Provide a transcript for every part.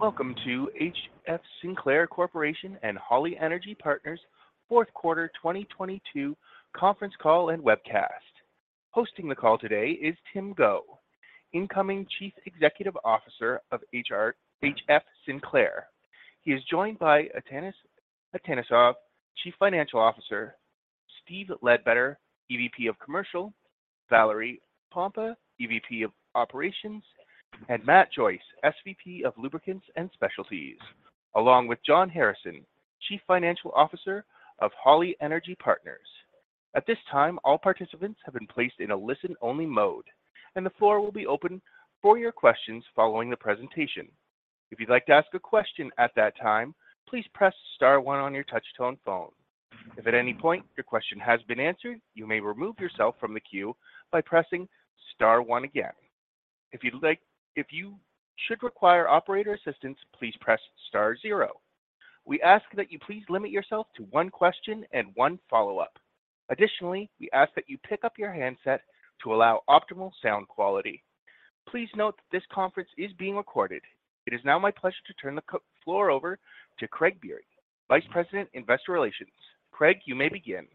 Welcome to HF Sinclair Corporation and Holly Energy Partners Fourth Quarter 2022 Conference Call and Webcast. Hosting the call today is Tim Go, incoming Chief Executive Officer of HF Sinclair. He is joined by Atanas Atanasov, Chief Financial Officer, Steven Ledbetter, EVP of Commercial, Valerie Pompa, EVP of Operations, and Matt Joyce, SVP of Lubricants and Specialties, along with John Harrison, Chief Financial Officer of Holly Energy Partners. At this time, all participants have been placed in a listen-only mode, and the floor will be open for your questions following the presentation. If you'd like to ask a question at that time, please press star one on your touch-tone phone. If at any point your question has been answered, you may remove yourself from the queue by pressing star one again. If you should require operator assistance, please press star zero. We ask that you please limit yourself to one question and one follow-up. Additionally, we ask that you pick up your handset to allow optimal sound quality. Please note this conference is being recorded. It is now my pleasure to turn the floor over to Craig Biery, Vice President, Investor Relations. Craig, you may begin.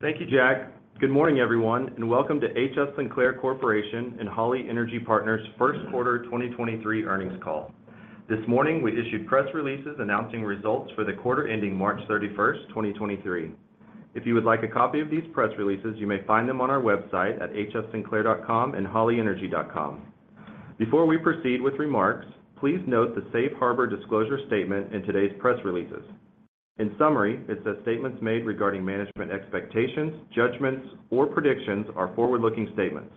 Thank you, Jack. Good morning, everyone, and welcome to HF Sinclair Corporation and Holly Energy Partners' first quarter 2023 earnings call. This morning, we issued press releases announcing results for the quarter ending March 31st, 2023. If you would like a copy of these press releases, you may find them on our website at hfsinclair.com and hollyenergy.com. Before we proceed with remarks, please note the safe harbor disclosure statement in today's press releases. In summary, it says statements made regarding management expectations, judgments, or predictions are forward-looking statements.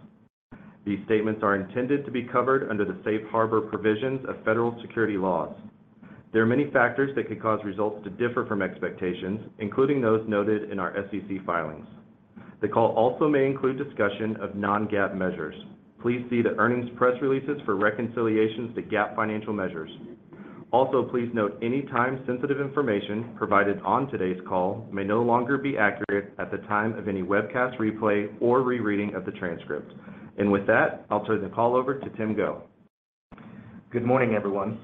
These statements are intended to be covered under the safe harbor provisions of federal security laws. There are many factors that could cause results to differ from expectations, including those noted in our SEC filings. The call also may include discussion of non-GAAP measures. Please see the earnings press releases for reconciliations to GAAP financial measures. Please note any time-sensitive information provided on today's call may no longer be accurate at the time of any webcast replay or rereading of the transcript. With that, I'll turn the call over to Tim Go. Good morning, everyone.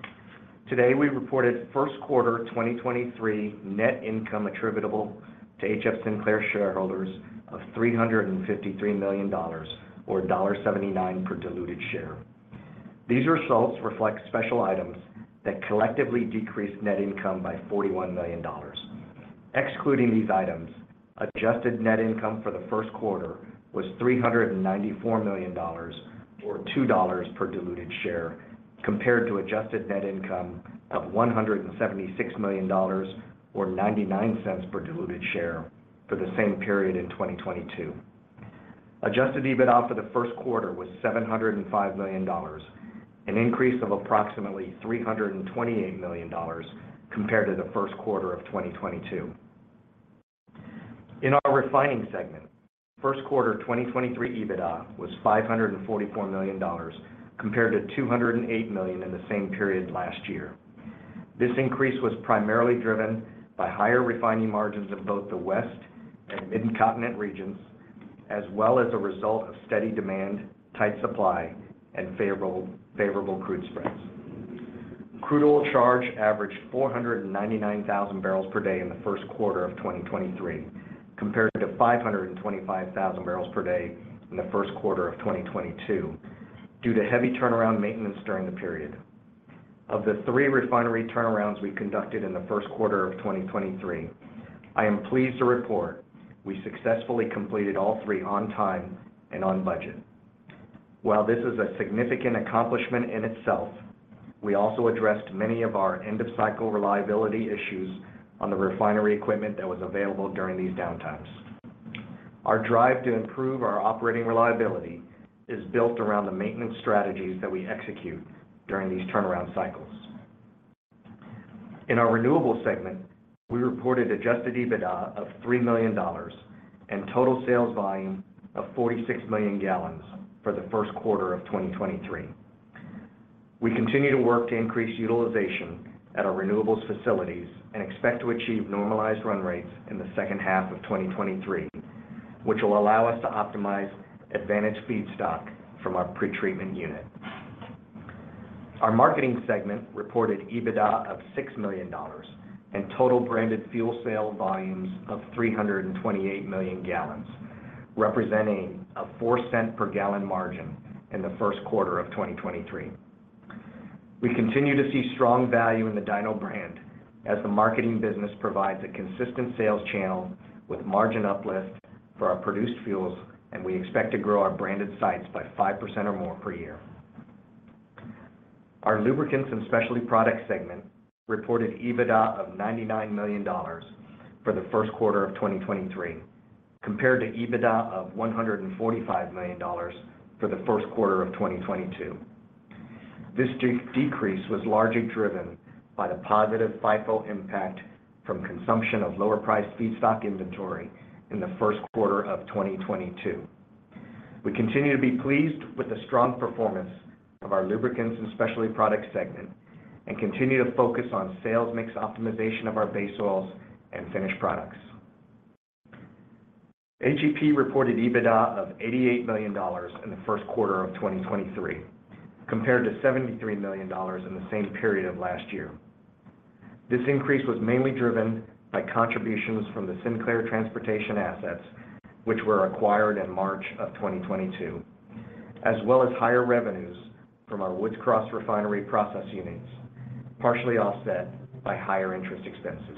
Today, we reported first quarter 2023 net income attributable to HF Sinclair shareholders of $353 million or $1.79 per diluted share. These results reflect special items that collectively decrease net income by $41 million. Excluding these items, adjusted net income for the first quarter was $394 million or $2.00 per diluted share compared to adjusted net income of $176 million or $0.99 per diluted share for the same period in 2022. Adjusted EBITDA for the first quarter was $705 million, an increase of approximately $328 million compared to the first quarter of 2022. In our refining segment, first quarter 2023 EBITDA was $544 million compared to $208 million in the same period last year. This increase was primarily driven by higher refining margins in both the West and Midcontinent regions, as well as a result of steady demand, tight supply, and favorable crude spreads. Crude oil charge averaged 499,000 barrels per day in the first quarter of 2023 compared to 525,000 barrels per day in the first quarter of 2022 due to heavy turnaround maintenance during the period. Of the three refinery turnarounds we conducted in the first quarter of 2023, I am pleased to report we successfully completed all three on time and on budget. While this is a significant accomplishment in itself, we also addressed many of our end-of-cycle reliability issues on the refinery equipment that was available during these downtimes. Our drive to improve our operating reliability is built around the maintenance strategies that we execute during these turnaround cycles. In our renewables segment, we reported adjusted EBITDA of $3 million and total sales volume of 46 million gallons for the first quarter of 2023. We continue to work to increase utilization at our renewables facilities and expect to achieve normalized run rates in the second half of 2023, which will allow us to optimize advantage feedstock from our pretreatment unit. Our marketing segment reported EBITDA of $6 million and total branded fuel sale volumes of 328 million gallons, representing a $0.04 per gallon margin in the first quarter of 2023. We continue to see strong value in the DINO brand as the marketing business provides a consistent sales channel with margin uplifts for our produced fuels, and we expect to grow our branded sites by 5% or more per year. Our lubricants and specialty product segment reported EBITDA of $99 million for the first quarter of 2023 compared to EBITDA of $145 million for the first quarter of 2022. This decrease was largely driven by the positive FIFO impact from consumption of lower-priced feedstock inventory in the first quarter of 2022. We continue to be pleased with the strong performance of our lubricants and specialty products segment and continue to focus on sales mix optimization of our base oils and finished products. HEP reported EBITDA of $88 million in the first quarter of 2023, compared to $73 million in the same period last year. This increase was mainly driven by contributions from the Sinclair Transportation assets, which were acquired in March of 2022, as well as higher revenues from our Woods Cross Refinery process units, partially offset by higher interest expenses.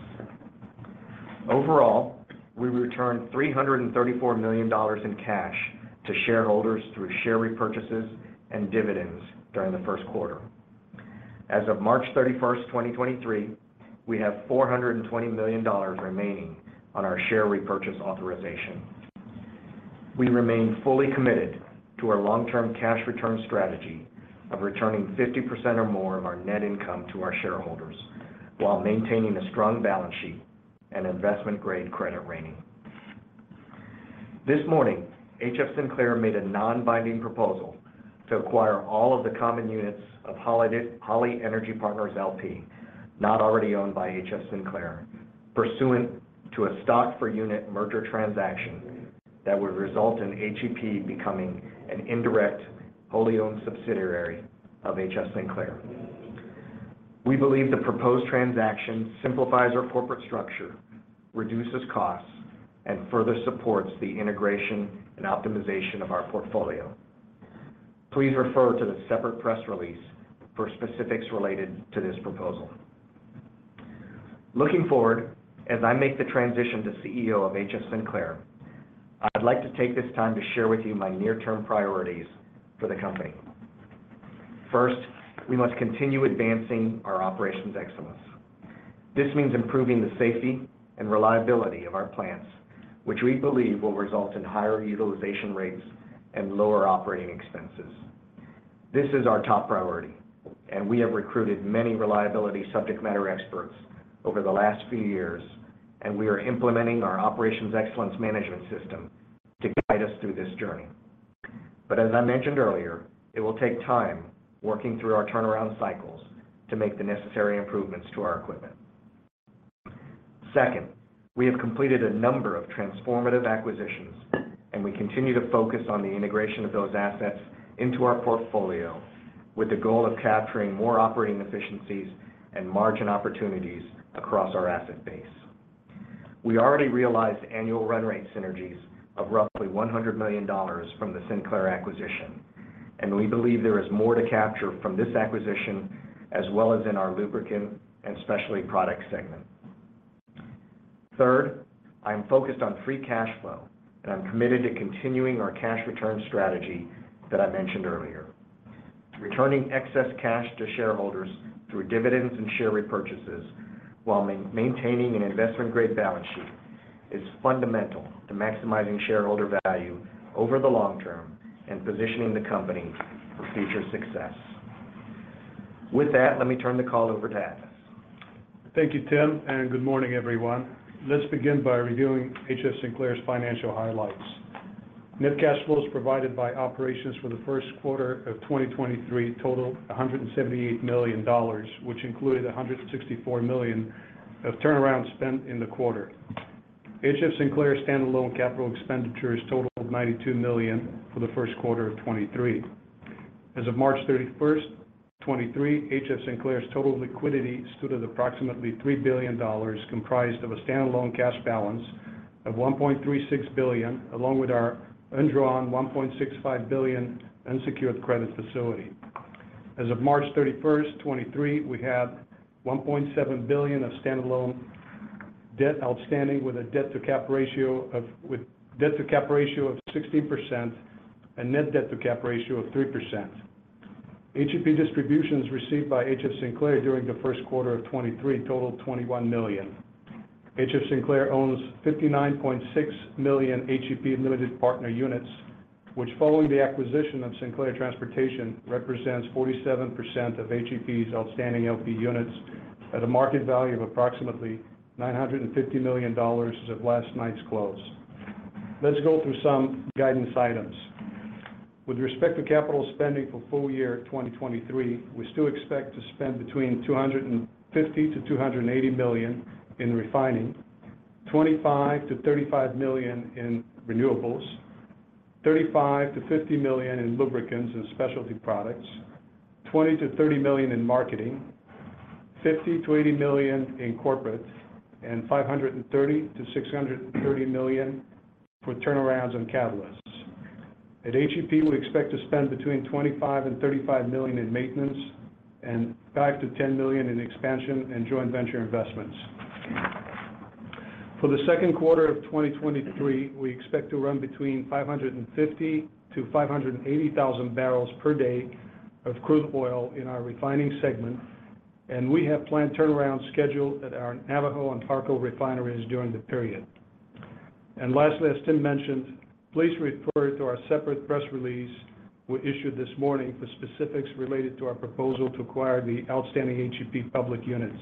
Overall, we returned $334 million in cash to shareholders through share repurchases and dividends during the first quarter. As of March 31, 2023, we have $420 million remaining on our share repurchase authorization. We remain fully committed to our long-term cash return strategy of returning 50% or more of our net income to our shareholders while maintaining a strong balance sheet and investment-grade credit rating. This morning, HF Sinclair made a non-binding proposal to acquire all of the common units of Holly Energy Partners, L.P., not already owned by HF Sinclair, pursuant to a stock for unit merger transaction that would result in HEP becoming an indirect, wholly-owned subsidiary of HF Sinclair. We believe the proposed transaction simplifies our corporate structure, reduces costs, and further supports the integration and optimization of our portfolio. Please refer to the separate press release for specifics related to this proposal. Looking forward, as I make the transition to CEO of HF Sinclair, I'd like to take this time to share with you my near-term priorities for the company. We must continue advancing our operations excellence. This means improving the safety and reliability of our plants, which we believe will result in higher utilization rates and lower operating expenses. This is our top priority, and we have recruited many reliability subject matter experts over the last few years, and we are implementing our Operational Excellence Management System to guide us through this journey. As I mentioned earlier, it will take time working through our turnaround cycles to make the necessary improvements to our equipment. We have completed a number of transformative acquisitions, and we continue to focus on the integration of those assets into our portfolio with the goal of capturing more operating efficiencies and margin opportunities across our asset base. We already realized annual run rate synergies of roughly $100 million from the Sinclair acquisition. We believe there is more to capture from this acquisition as well as in our lubricant and specialty product segment. Third, I am focused on free cash flow, and I'm committed to continuing our cash return strategy that I mentioned earlier. Returning excess cash to shareholders through dividends and share repurchases while maintaining an investment-grade balance sheet is fundamental to maximizing shareholder value over the long term and positioning the company for future success. With that, let me turn the call over to Atanas. Thank you, Tim. Good morning, everyone. Let's begin by reviewing HF Sinclair's financial highlights. Net cash flows provided by operations for the first quarter of 2023 totaled $178 million, which included $164 million of turnaround spend in the quarter. HF Sinclair's standalone CapEx totaled $92 million for the first quarter of 2023. As of March 31, 2023, HF Sinclair's total liquidity stood at approximately $3 billion, comprised of a standalone cash balance of $1.36 billion, along with our undrawn $1.65 billion unsecured credit facility. As of March 31, 2023, we had $1.7 billion of standalone debt outstanding with a debt-to-cap ratio of 16% and net debt-to-cap ratio of 3%. HEP distributions received by HF. Sinclair during the first quarter of 2023 totaled $21 million. HF Sinclair owns 59.6 million HEP limited partner units, which following the acquisition of Sinclair Transportation, represents 47% of HEP's outstanding LP units at a market value of approximately $950 million as of last night's close. Let's go through some guidance items. With respect to capital spending for full year 2023, we still expect to spend between $250 million-$280 million in refining, $25 million-$35 million in renewables, $35 million-$50 million in lubricants and specialty products, $20 million-$30 million in marketing, $50 million-$80 million in corporate, and $530 million-$630 million for turnarounds and catalysts. At HEP, we expect to spend between $25 million and $35 million in maintenance and $5 million to $10 million in expansion and joint venture investments. For the second quarter of 2023, we expect to run between 550,000 to 580,000 barrels per day of crude oil in our refining segment, we have planned turnaround scheduled at our Navajo and Parco refineries during the period. Lastly, as Tim mentioned, please refer to our separate press release we issued this morning for specifics related to our proposal to acquire the outstanding HEP public units.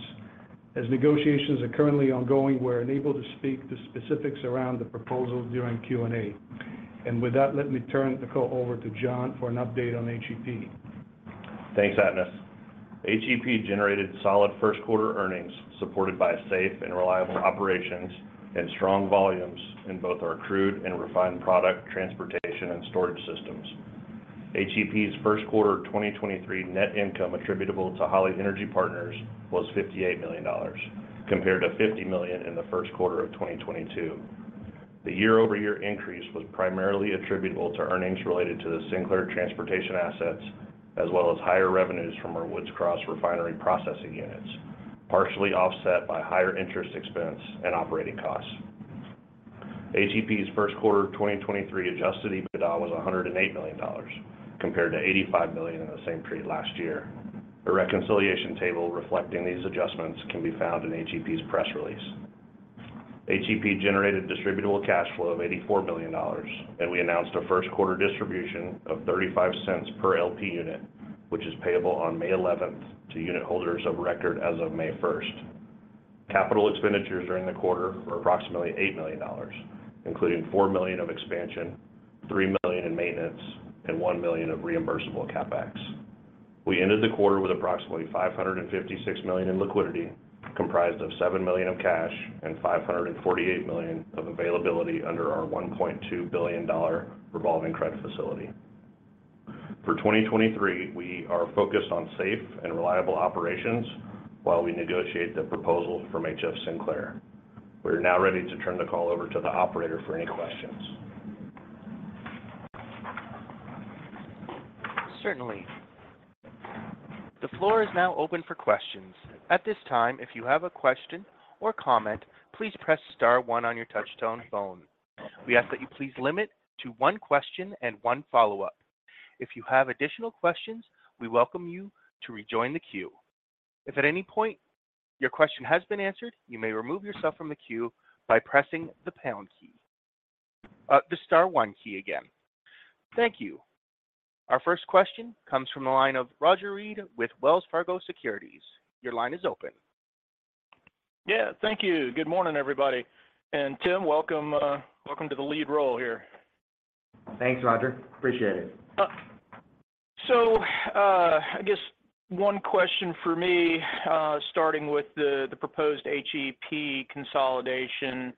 As negotiations are currently ongoing, we're unable to speak to specifics around the proposal during Q&A. With that, let me turn the call over to John for an update on HEP. Thanks, Atanas. HEP generated solid first quarter earnings supported by safe and reliable operations and strong volumes in both our crude and refined product transportation and storage systems. HEP's first quarter of 2023 net income attributable to Holly Energy Partners was $58 million compared to $50 million in the first quarter of 2022. The year-over-year increase was primarily attributable to earnings related to the Sinclair Transportation assets, as well as higher revenues from our Woods Cross refinery processing units, partially offset by higher interest expense and operating costs. HEP's first quarter of 2023 adjusted EBITDA was $108 million compared to $85 million in the same period last year. A reconciliation table reflecting these adjustments can be found in HEP's press release. HEP generated distributable cash flow of $84 million, we announced a first quarter distribution of $0.35 per LP unit, which is payable on May eleventh to unit holders of record as of May first. Capital expenditures during the quarter were approximately $8 million, including $4 million of expansion, $3 million in maintenance, and $1 million of reimbursable CapEx. We ended the quarter with approximately $556 million in liquidity, comprised of $7 million of cash and $548 million of availability under our $1.2 billion revolving credit facility. For 2023, we are focused on safe and reliable operations while we negotiate the proposal from HF Sinclair. We're now ready to turn the call over to the operator for any questions. Certainly. The floor is now open for questions. At this time, if you have a question or comment, please press star one on your touchtone phone. We ask that you please limit to one question and one follow-up. If you have additional questions, we welcome you to rejoin the queue. If at any point your question has been answered, you may remove yourself from the queue by pressing the pound key. The star one key again. Thank you. Our first question comes from the line of Roger Read with Wells Fargo Securities. Your line is open. Yeah, thank you. Good morning, everybody. Tim, welcome to the lead role here. Thanks, Roger. Appreciate it. I guess one question for me, starting with the proposed HEP consolidation.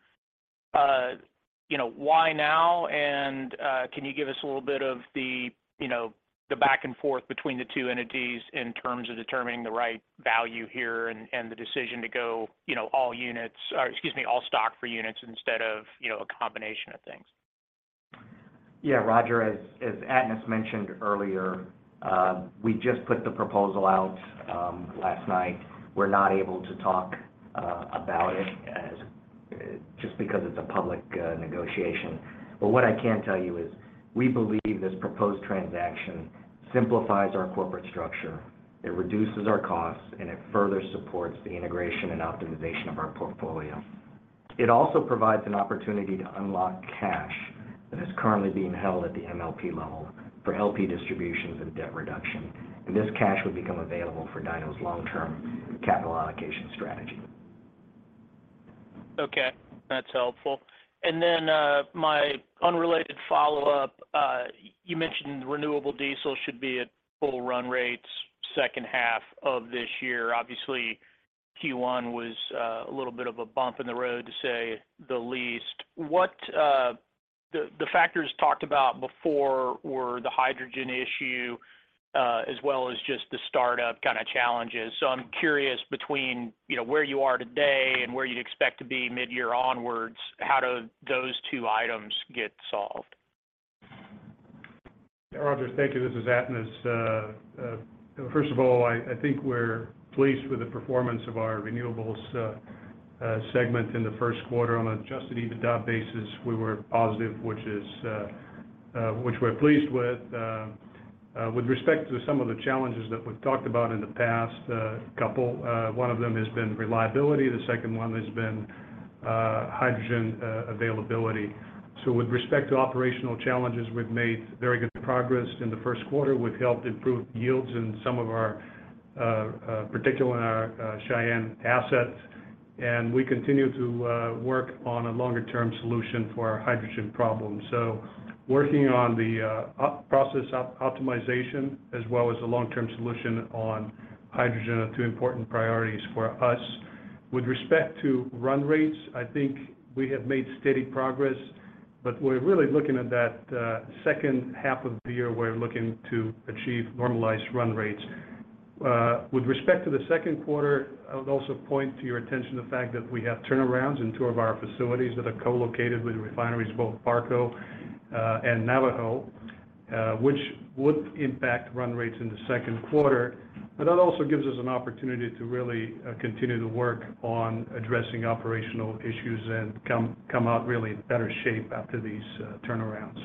You know, why now? Can you give us a little bit of the, you know, the back and forth between the two entities in terms of determining the right value here and the decision to go, you know, all stock for units instead of, you know, a combination of things? Yeah, Roger, as Atanas mentioned earlier, we just put the proposal out last night. We're not able to talk about it as just because it's a public negotiation. What I can tell you is we believe this proposed transaction simplifies our corporate structure, it reduces our costs, and it further supports the integration and optimization of our portfolio. It also provides an opportunity to unlock cash that is currently being held at the MLP level for LP distributions and debt reduction. This cash would become available for DINO's long-term capital allocation strategy. Okay, that's helpful. My unrelated follow-up, you mentioned renewable diesel should be at full run rates second half of this year. Obviously, Q1 was a little bit of a bump in the road to say the least. The factors talked about before were the hydrogen issue, as well as just the startup kind of challenges. I'm curious between, you know, where you are today and where you'd expect to be mid-year onwards, how do those two items get solved? Roger, thank you. This is Atanas. First of all, I think we're pleased with the performance of our renewables segment in the first quarter. On an adjusted EBITDA basis, we were positive, which we're pleased with. With respect to some of the challenges that we've talked about in the past couple, one of them has been reliability, the second one has been hydrogen availability. With respect to operational challenges, we've made very good progress. In the first quarter, we've helped improve yields in some of our particular in our Cheyenne assets. We continue to work on a longer term solution for our hydrogen problem. Working on the process optimization as well as a long-term solution on hydrogen are two important priorities for us. With respect to run rates, I think we have made steady progress, but we're really looking at that, second half of the year, we're looking to achieve normalized run rates. With respect to the second quarter, I would also point to your attention the fact that we have turnarounds in two of our facilities that are co-located with refineries, both Parco, and Navajo, which would impact run rates in the second quarter. That also gives us an opportunity to really, continue to work on addressing operational issues and come out really in better shape after these turnarounds.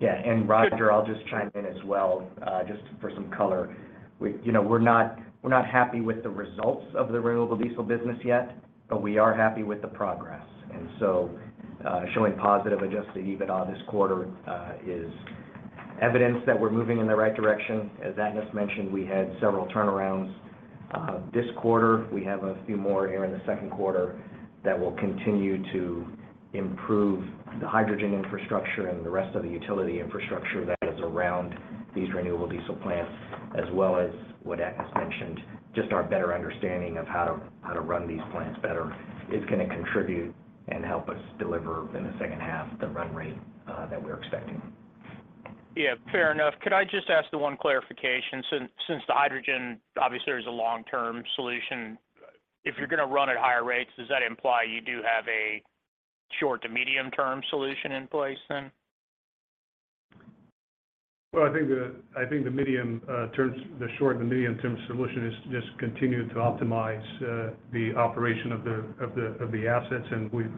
Yeah. Roger, I'll just chime in as well, just for some color. We, you know, we're not, we're not happy with the results of the renewable diesel business yet, but we are happy with the progress. Showing positive adjusted EBITDA this quarter is evidence that we're moving in the right direction. As Atanas mentioned, we had several turnarounds. This quarter, we have a few more here in the second quarter that will continue to improve the hydrogen infrastructure and the rest of the utility infrastructure that is around these renewable diesel plants, as well as what Atanas mentioned, just our better understanding of how to, how to run these plants better is gonna contribute and help us deliver in the second half the run rate that we're expecting. Yeah. Fair enough. Could I just ask the one clarification? Since the hydrogen obviously is a long-term solution, if you're gonna run at higher rates, does that imply you do have a short to medium term solution in place then? Well, I think the medium, the short and the medium-term solution is just continue to optimize the operation of the assets.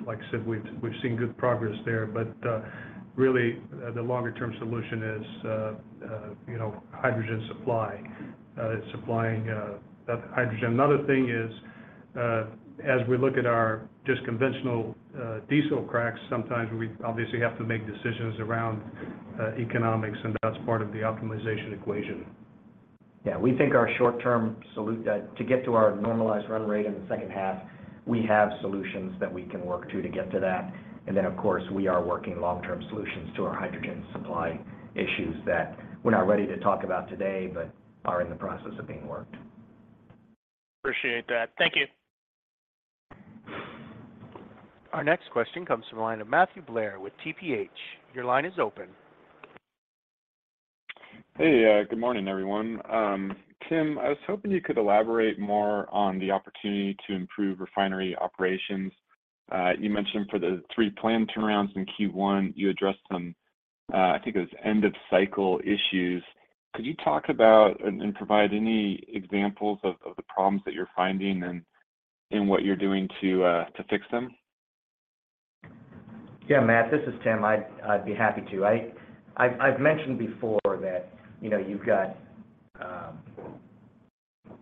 Like I said, we've seen good progress there. Really, the longer-term solution is, you know, hydrogen supply, supplying that hydrogen. Another thing is, as we look at our just conventional diesel cracks, sometimes we obviously have to make decisions around economics, and that's part of the optimization equation. Yeah. We think our short-term to get to our normalized run rate in the second half, we have solutions that we can work to get to that. Of course, we are working long-term solutions to our hydrogen supply issues that we're not ready to talk about today, but are in the process of being worked. Appreciate that. Thank you. Our next question comes from the line of Matthew Blair with TPH. Your line is open. Hey. Good morning, everyone. Tim, I was hoping you could elaborate more on the opportunity to improve refinery operations. You mentioned for the three planned turnarounds in Q1, you addressed some, I think it was end-of-cycle issues. Could you talk about and provide any examples of the problems that you're finding and what you're doing to fix them? Yeah, Matt, this is Tim. I'd be happy to. I've mentioned before that, you know, you've got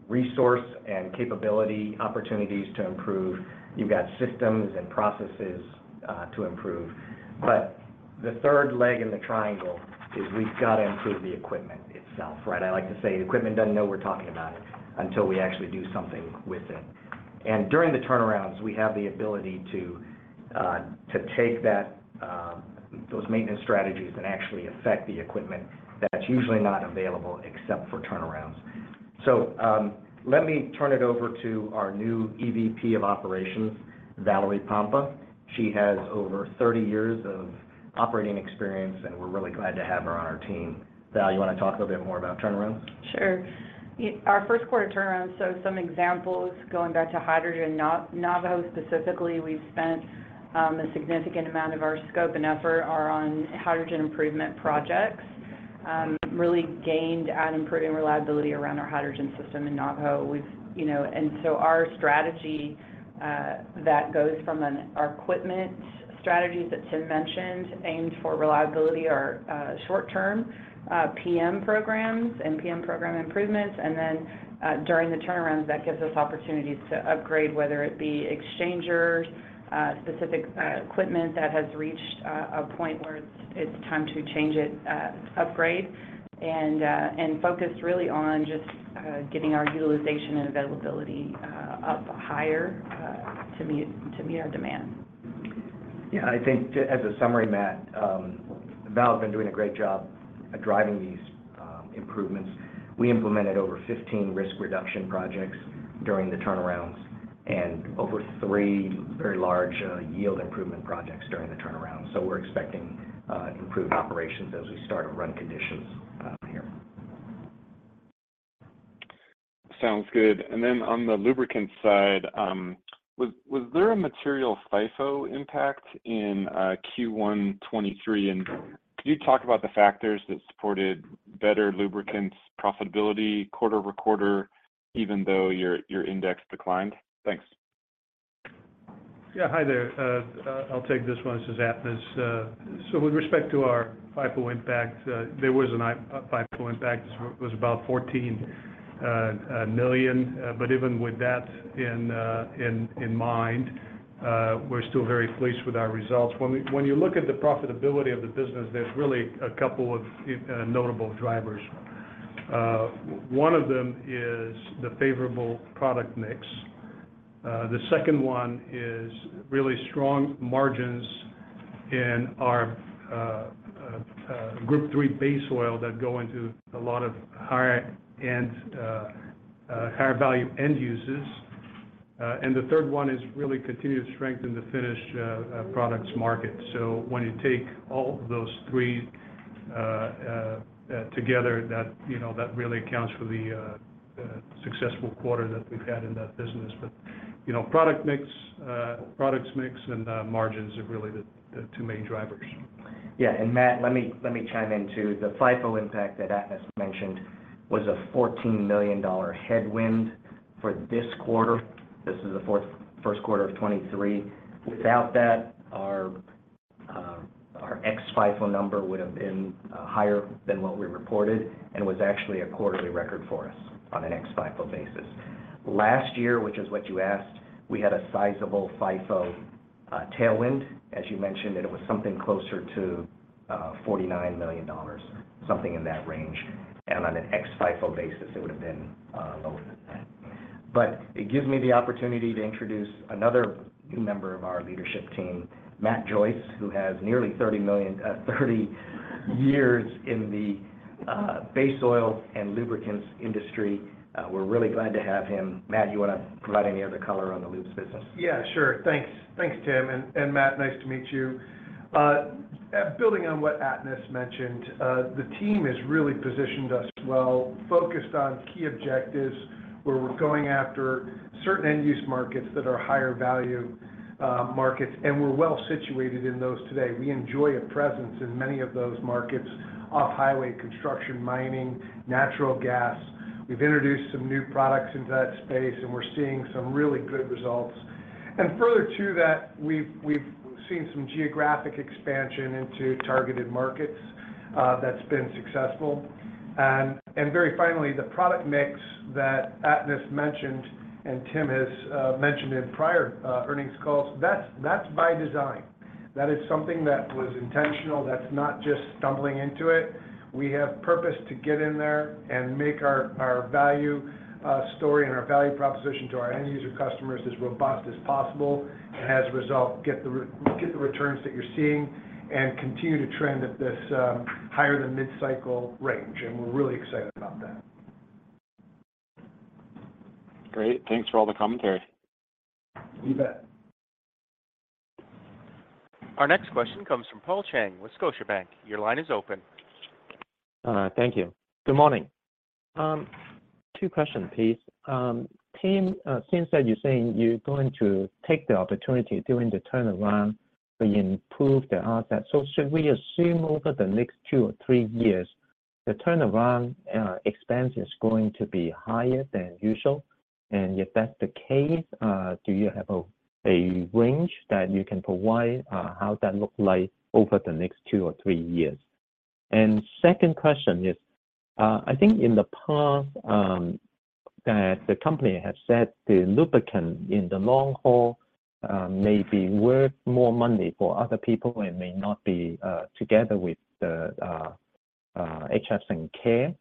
resource and capability opportunities to improve. You've got systems and processes to improve. The third leg in the triangle is we've gotta improve the equipment itself, right? I like to say the equipment doesn't know we're talking about it until we actually do something with it. During the turnarounds, we have the ability to take that those maintenance strategies and actually affect the equipment that's usually not available except for turnarounds. Let me turn it over to our new EVP of Operations, Valerie Pompa. She has over 30 years of operating experience, and we're really glad to have her on our team. Val, you wanna talk a little bit more about turnarounds? Sure. Our first quarter turnarounds, some examples going back to hydrogen, Navajo specifically, we've spent a significant amount of our scope and effort are on hydrogen improvement projects. Really gained at improving reliability around our hydrogen system in Navajo. We've, you know, our strategy that goes from our equipment strategies that Tim mentioned aimed for reliability are short-term PM programs and PM program improvements. During the turnarounds, that gives us opportunities to upgrade, whether it be exchangers, specific equipment that has reached a point where it's time to change it, upgrade, and focus really on just getting our utilization and availability up higher to meet our demand. Yeah. I think as a summary, Matt, Val's been doing a great job at driving these improvements. We implemented over 15 risk reduction projects during the turnarounds and over three very large yield improvement projects during the turnarounds. We're expecting improved operations as we start to run conditions here. Sounds good. On the lubricants side, was there a material FIFO impact in Q1 2023? Can you talk about the factors that supported better lubricants profitability quarter-over-quarter even though your index declined? Thanks. Yeah. Hi there. I'll take this one. This is Atanas. With respect to our FIFO impact, there was a FIFO impact. It was about $14 million. Even with that in mind, we're still very pleased with our results. When you look at the profitability of the business, there's really a couple of notable drivers. One of them is the favorable product mix. The second one is really strong margins in our Group III base oil that go into a lot of higher-end, higher-value end uses. The third one is really continued strength in the finished products market. When you take all of those three together, you know, that really accounts for the successful quarter that we've had in that business. You know, product mix, products mix and margins are really the two main drivers. Yeah. Matt, let me chime in too. The FIFO impact that Atanas mentioned was a $14 million headwind for this quarter. This is the first quarter of 2023. Without that, our ex-FIFO number would have been higher than what we reported and was actually a quarterly record for us on an ex-FIFO basis. Last year, which is what you asked, we had a sizable FIFO tailwind, as you mentioned, and it was something closer to $49 million, something in that range. On an ex-FIFO basis, it would have been lower than that. It gives me the opportunity to introduce another new member of our leadership team, Matt Joyce, who has nearly 30 years in the base oil and lubricants industry. We're really glad to have him. Matt, you wanna provide any other color on the lubes business? Yeah, sure. Thanks. Thanks, Tim, and Matt, nice to meet you. Building on what Atanas mentioned, the team has really positioned us well, focused on key objectives, where we're going after certain end-use markets that are higher value markets, and we're well situated in those today. We enjoy a presence in many of those markets: off-highway construction, mining, natural gas. We've introduced some new products into that space, and we're seeing some really good results. Further to that, we've seen some geographic expansion into targeted markets that's been successful. Very finally, the product mix that Atanas mentioned and Tim has mentioned in prior earnings calls, that's by design. That is something that was intentional, that's not just stumbling into it. We have purpose to get in there and make our value, story and our value proposition to our end user customers as robust as possible, and as a result, get the returns that you're seeing and continue to trend at this, higher than mid-cycle range. We're really excited about that. Great. Thanks for all the commentary. You bet. Our next question comes from Paul Cheng with Scotiabank. Your line is open. Thank you. Good morning. Two questions, please. Team, since that you're saying you're going to take the opportunity during the turnaround to improve the assets, should we assume over the next two or three years, the turnaround expense is going to be higher than usual? If that's the case, do you have a range that you can provide how that look like over the next two or three years? Second question is, I think in the past that the company has said the lubricant in the long haul may be worth more money for other people and may not be together with the HF Sinclair.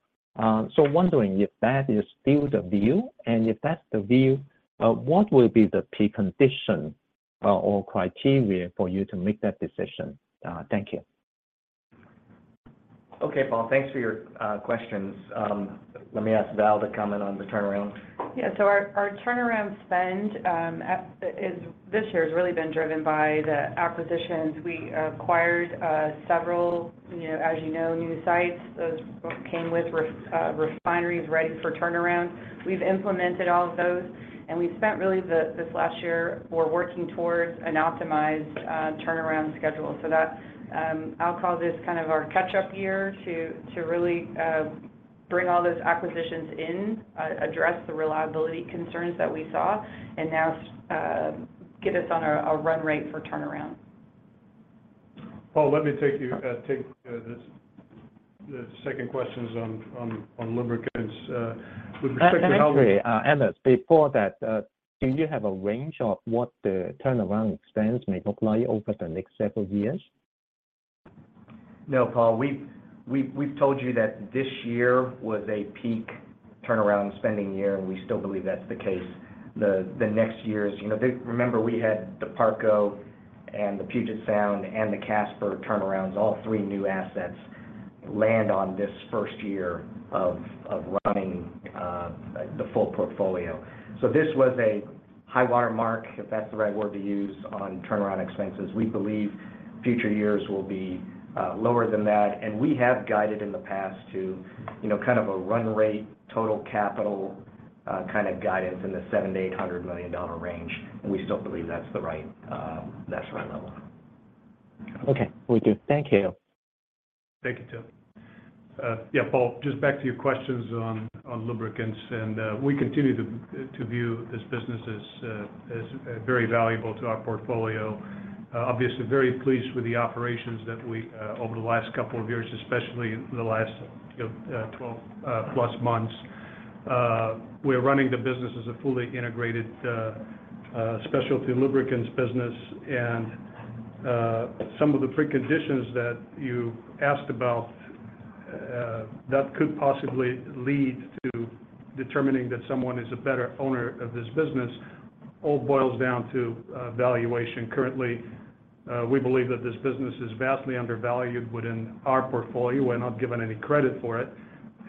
Wondering if that is still the view, if that's the view, what will be the precondition, or criteria for you to make that decision? Thank you. Okay. Paul, thanks for your questions. Let me ask Val to comment on the turnaround. Yeah. Our turnaround spend this year has really been driven by the acquisitions. We acquired several, you know, as you know, new sites. Those both came with refineries ready for turnaround. We've implemented all of those, and we've spent really this last year, we're working towards an optimized turnaround schedule. That, I'll call this kind of our catch-up year to really bring all those acquisitions in, address the reliability concerns that we saw and now get us on a run rate for turnaround. Paul, let me take this, the second questions on lubricants. With respect to. Actually, Atanas, before that, do you have a range of what the turnaround expense may look like over the next several years? No, Paul, we've told you that this year was a peak turnaround spending year. We still believe that's the case. The next year is, you know, Remember we had the Parco and the Puget Sound and the Casper turnarounds, all three new assets land on this first year of running the full portfolio. This was a high water mark, if that's the right word to use, on turnaround expenses. We believe future years will be lower than that. We have guided in the past to, you know, kind of a run rate, total capital, kind of guidance in the $700 million-$800 million range. We still believe that's the right, that's the right level. Okay. Will do. Thank you. Thank you, Tim. Yeah, Paul, just back to your questions on lubricants, and we continue to view this business as very valuable to our portfolio. Obviously very pleased with the operations that we over the last couple of years, especially the last 12 plus months. We're running the business as a fully integrated specialty lubricants business. Some of the preconditions that you asked about that could possibly lead to determining that someone is a better owner of this business all boils down to valuation. Currently, we believe that this business is vastly undervalued within our portfolio. We're not given any credit for it.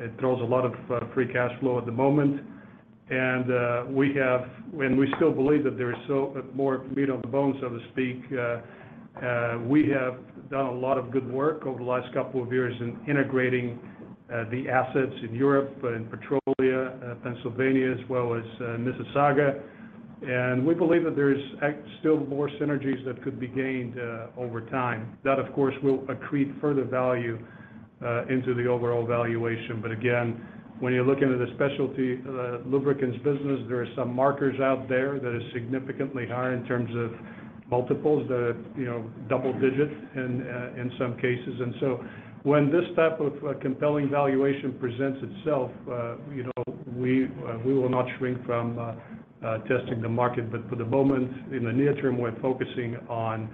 It throws a lot of free cash flow at the moment. We still believe that there is more meat on the bone, so to speak. We have done a lot of good work over the last couple of years in integrating the assets in Europe, in Petrolia, Pennsylvania, as well as Mississauga. We believe that there's still more synergies that could be gained over time. That, of course, will accrete further value into the overall valuation. Again, when you're looking at the specialty lubricants business, there are some markers out there that are significantly higher in terms of multiples that are, you know, double digits in some cases. When this type of a compelling valuation presents itself, you know, we will not shrink from testing the market. For the moment, in the near term, we're focusing on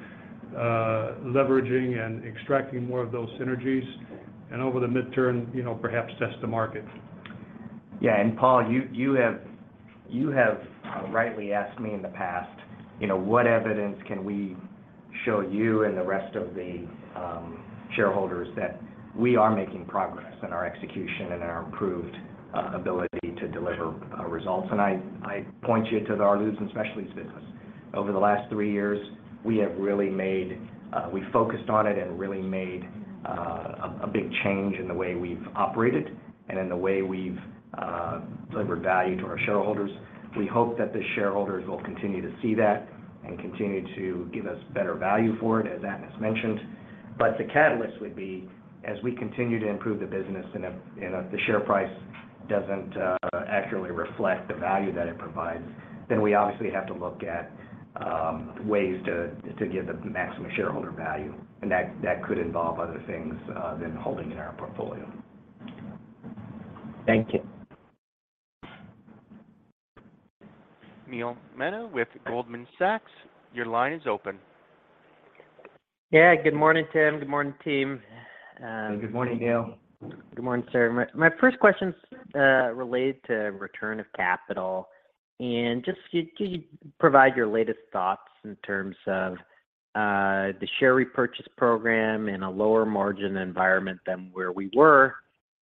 leveraging and extracting more of those synergies, and over the midterm, you know, perhaps test the market. Yeah. Paul, you have rightly asked me in the past, you know, what evidence can we show you and the rest of the shareholders that we are making progress in our execution and our improved ability to deliver results. I point you to our lubes and specialties business. Over the last three years, we have really made, we focused on it and really made a big change in the way we've operated and in the way we've delivered value to our shareholders. We hope that the shareholders will continue to see that and continue to give us better value for it, as Atanas mentioned. The catalyst would be, as we continue to improve the business and if the share price doesn't accurately reflect the value that it provides, then we obviously have to look at ways to give the maximum shareholder value. That could involve other things than holding in our portfolio. Thank you. Neil Mehta with Goldman Sachs, your line is open. Yeah. Good morning, Tim. Good morning, team. Good morning, Neil. Good morning, sir. My first question's related to return of capital. Just could you provide your latest thoughts in terms of the share repurchase program in a lower margin environment than where we were,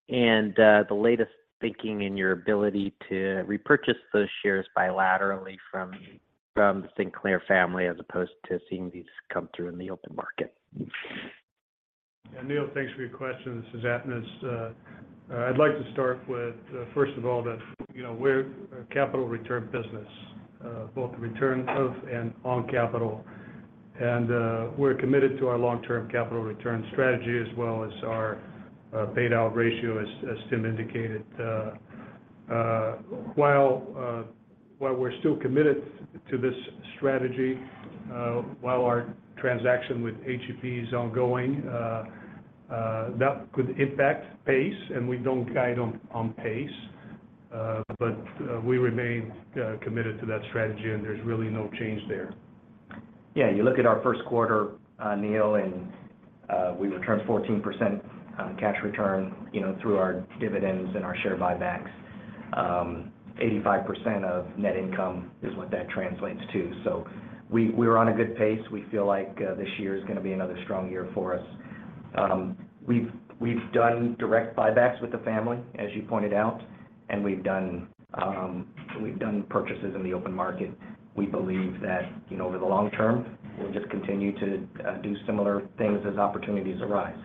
and the latest thinking in your ability to repurchase those shares bilaterally from the Sinclair family as opposed to seeing these come through in the open market? Yeah. Neil, thanks for your question. This is Atanas. I'd like to start with, first of all, that, you know, we're a capital return business, both return of and on capital. We're committed to our long-term capital return strategy as well as our paid out ratio, as Tim indicated. While, while we're still committed to this strategy, while our transaction with HEP is ongoing, that could impact pace, and we don't guide on pace. We remain committed to that strategy and there's really no change there. You look at our first quarter, Neil, and we returned 14% cash return, you know, through our dividends and our share buybacks. 85% of net income is what that translates to. We're on a good pace. We feel like this year is gonna be another strong year for us. We've done direct buybacks with the family, as you pointed out, and we've done, we've done purchases in the open market. We believe that, you know, over the long term, we'll just continue to do similar things as opportunities arise.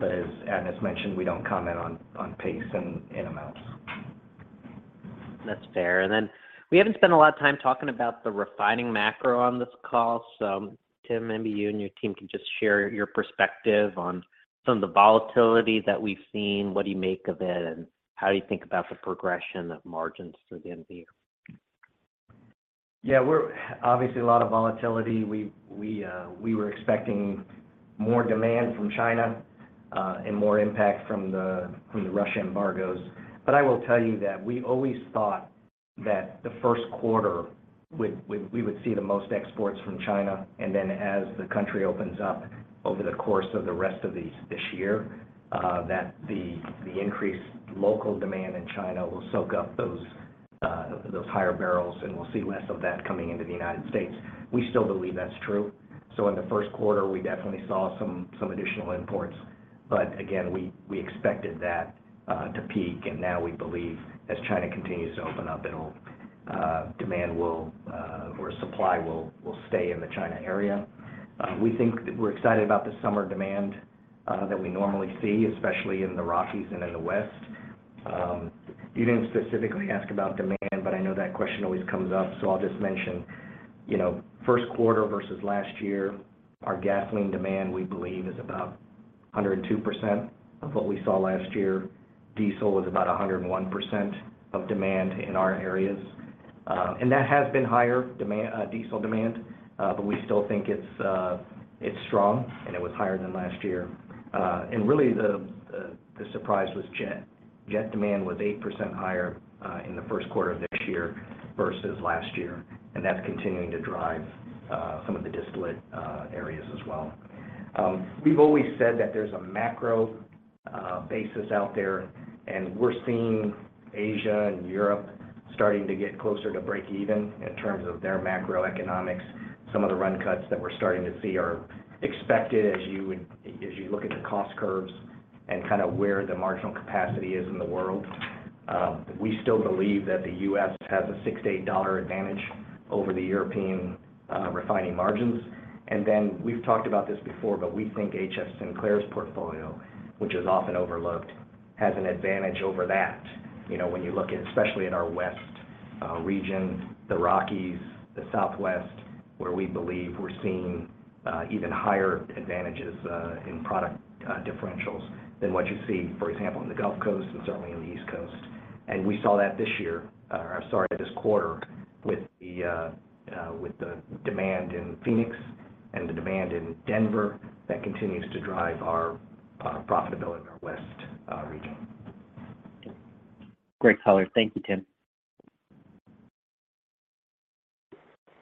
As Atanas mentioned, we don't comment on pace and amounts. That's fair. Then we haven't spent a lot of time talking about the refining macro on this call. Tim, maybe you and your team can just share your perspective on some of the volatility that we've seen. What do you make of it, and how do you think about the progression of margins through the end of the year? Yeah. We're obviously a lot of volatility. We were expecting more demand from China and more impact from the Russia embargoes. I will tell you that we always thought that the first quarter would see the most exports from China. As the country opens up over the course of the rest of this year, that the increased local demand in China will soak up those higher barrels, and we'll see less of that coming into the United States. We still believe that's true. In the first quarter, we definitely saw some additional imports. Again, we expected that to peak. Now we believe as China continues to open up, it'll demand will or supply will stay in the China area. We're excited about the summer demand that we normally see, especially in the Rockies and in the West. You didn't specifically ask about demand, but I know that question always comes up, so I'll just mention. You know, first quarter versus last year, our gasoline demand, we believe, is about 102% of what we saw last year. Diesel was about 101% of demand in our areas. That has been higher demand, diesel demand, but we still think it's strong, and it was higher than last year. Really, the surprise was jet. Jet demand was 8% higher in the first quarter of this year versus last year, and that's continuing to drive some of the distillate areas as well. We've always said that there's a macro basis out there, and we're seeing Asia and Europe starting to get closer to breakeven in terms of their macroeconomics. Some of the run cuts that we're starting to see are expected as you look at the cost curves and kind of where the marginal capacity is in the world. We still believe that the US has a $6-$8 advantage over the European refining margins. We've talked about this before, but we think HF Sinclair's portfolio, which is often overlooked, has an advantage over that. You know, when you look at, especially in our west region, the Rockies, the Southwest, where we believe we're seeing even higher advantages in product differentials than what you see, for example, in the Gulf Coast and certainly in the East Coast. We saw that this quarter with the demand in Phoenix and the demand in Denver that continues to drive our profitability in our west region. Great color. Thank you, Tim.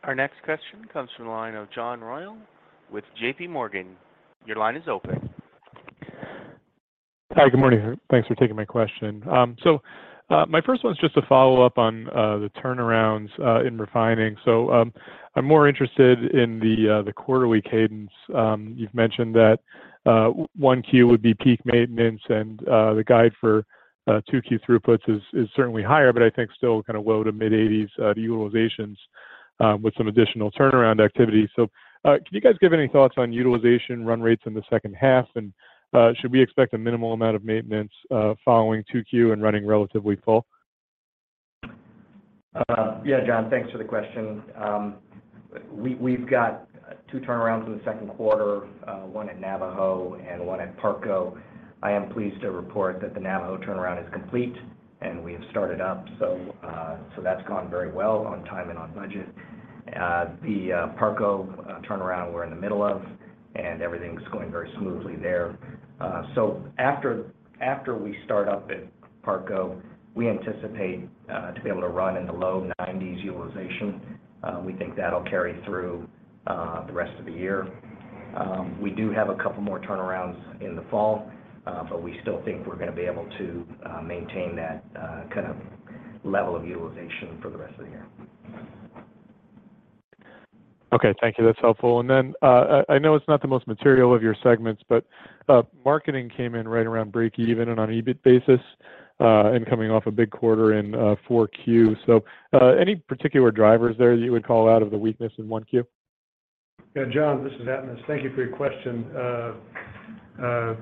Our next question comes from the line of John Royall with JPMorgan. Your line is open. Hi. Good morning. Thanks for taking my question. My first one's just a follow-up on the turnarounds in refining. I'm more interested in the quarterly cadence. You've mentioned that 1Q would be peak maintenance, and the guide for 2Q throughputs is certainly higher, but I think still kind of low to mid-80s utilizations with some additional turnaround activity. Can you guys give any thoughts on utilization run rates in the second half? Should we expect a minimal amount of maintenance following 2Q and running relatively full? Yeah, John, thanks for the question. We've got two turnarounds in the second quarter, one at Navajo and one at Parco. I am pleased to report that the Navajo turnaround is complete, and we have started up. That's gone very well on time and on budget. The Parco turnaround, we're in the middle of, and everything's going very smoothly there. After we start up at Parco, we anticipate to be able to run in the low nineties utilization. We think that'll carry through the rest of the year. We do have a couple more turnarounds in the fall, but we still think we're gonna be able to maintain that kind of level of utilization for the rest of the year. Okay. Thank you. That's helpful. Then, I know it's not the most material of your segments, but, marketing came in right around breakeven and on EBIT basis, and coming off a big quarter in, 4Q. Any particular drivers there you would call out of the weakness in 1Q? Yeah, John, this is Atanas. Thank you for your question. you know,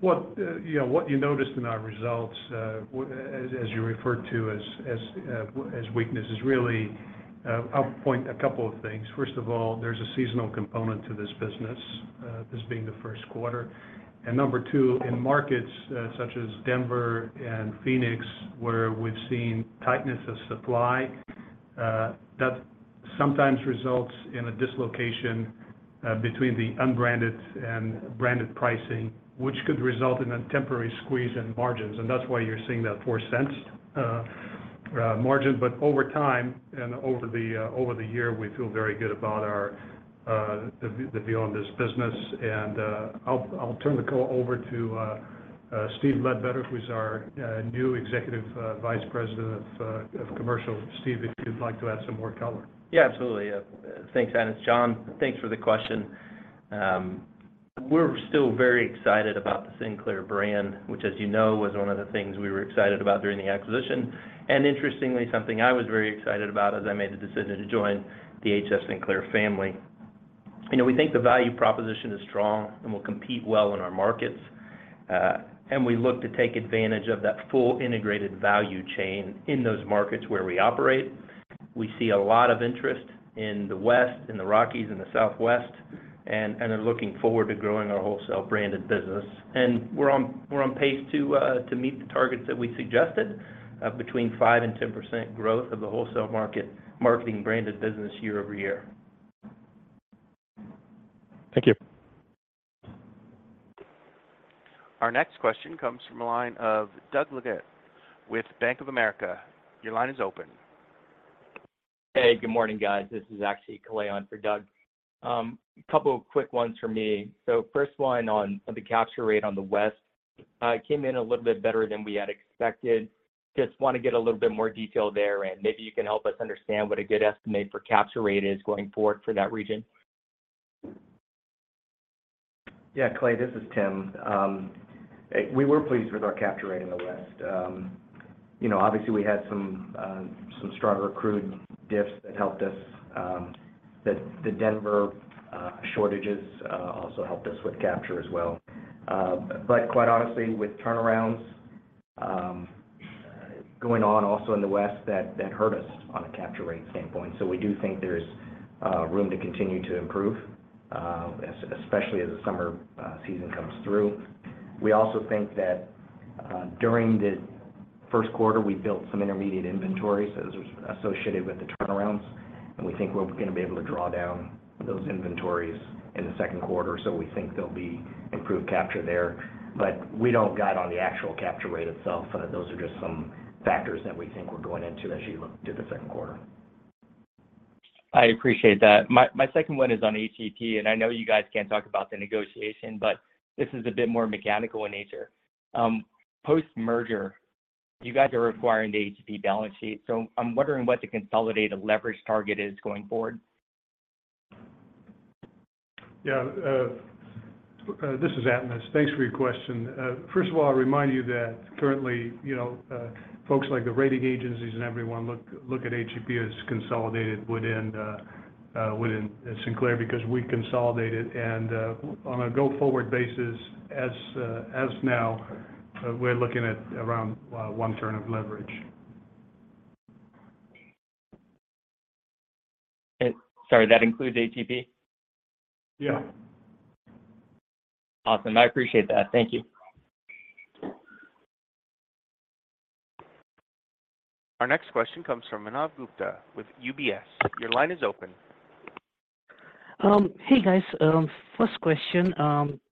what you noticed in our results, as you referred to as weakness is really, I'll point a couple of things. First of all, there's a seasonal component to this business, this being the first quarter. Number two, in markets, such as Denver and Phoenix, where we've seen tightness of supply, that sometimes results in a dislocation, between the unbranded and branded pricing, which could result in a temporary squeeze in margins. That's why you're seeing that $0.04 margin. Over time and over the year, we feel very good about our, the view on this business. I'll turn the call over to Steven Ledbetter, who's our new Executive Vice President of Commercial. Steve, if you'd like to add some more color. Yeah, absolutely. Thanks, Atanas. John, thanks for the question. We're still very excited about the Sinclair brand, which, as you know, was one of the things we were excited about during the acquisition. Interestingly, something I was very excited about as I made the decision to join the HF Sinclair family. You know, we think the value proposition is strong and will compete well in our markets. We look to take advantage of that full integrated value chain in those markets where we operate. We see a lot of interest in the West, in the Rockies, in the Southwest, and are looking forward to growing our wholesale branded business. We're on pace to meet the targets that we suggested of between 5% and 10% growth of the wholesale marketing branded business year-over-year. Thank you. Our next question comes from the line of Doug Leggate with Bank of America. Your line is open. Hey, good morning, guys. This is actually Kalei on for Doug. A couple of quick ones for me. First one on the capture rate on the West. It came in a little bit better than we had expected. Just wanna get a little bit more detail there, and maybe you can help us understand what a good estimate for capture rate is going forward for that region. Kalei, this is Tim. We were pleased with our capture rate in the West. You know, obviously, we had some stronger crude diffs that helped us, that the Denver shortages also helped us with capture as well. Quite honestly, with turnarounds going on also in the West, that hurt us on a capture rate standpoint. We do think there's room to continue to improve, especially as the summer season comes through. We also think that during the 1st quarter, we built some intermediate inventories associated with the turnarounds, and we think we're gonna be able to draw down those inventories in the 2nd quarter. We think there'll be improved capture there, but we don't guide on the actual capture rate itself. Those are just some factors that we think we're going into as you look to the second quarter. I appreciate that. My second one is on HEP. I know you guys can't talk about the negotiation, but this is a bit more mechanical in nature. Post-merger, you guys are requiring the HEP balance sheet. I'm wondering what the consolidated leverage target is going forward. Yeah. This is Atanas. Thanks for your question. First of all, I remind you that currently, you know, folks like the rating agencies and everyone look at HEP as consolidated within Sinclair because we consolidated. On a go-forward basis, as now, we're looking at around one turn of leverage. Okay. Sorry, that includes HEP? Yeah. Awesome. I appreciate that. Thank you. Our next question comes from Manav Gupta with UBS. Your line is open. Hey guys. First question.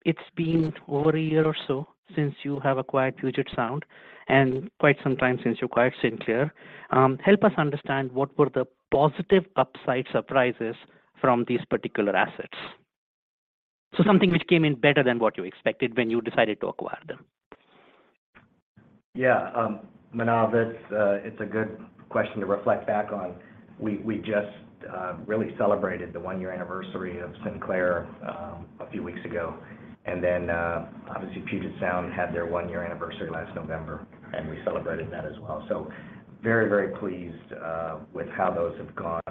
It's been over a year or so since you have acquired Puget Sound, and quite some time since you acquired Sinclair. Help us understand what were the positive upside surprises from these particular assets. Something which came in better than what you expected when you decided to acquire them. Yeah. Manav, it's a good question to reflect back on. We, we just really celebrated the one-year anniversary of Sinclair a few weeks ago. Obviously Puget Sound had their one-year anniversary last November, and we celebrated that as well. Very, very pleased with how those have gone.